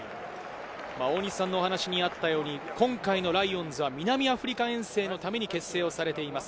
大西さんのお話にあったように、今回のライオンズは南アフリカ遠征のために結成されています。